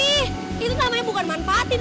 ini itu namanya bukan manfaatin